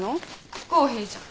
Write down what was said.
不公平じゃん。